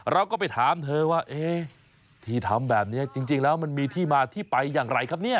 เราก็ไปถามเธอว่าเอ๊ะที่ทำแบบนี้จริงแล้วมันมีที่มาที่ไปอย่างไรครับเนี่ย